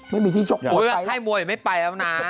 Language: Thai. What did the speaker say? ไม่มีที่ชกกว่าไปนะโอ้โฮไข้มวยไม่ไปแล้วนะ